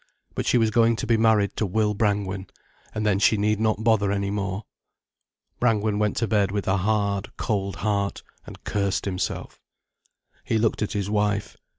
But she was going to be married to Will Brangwen, and then she need not bother any more. Brangwen went to bed with a hard, cold heart, and cursed himself. He looked at his wife.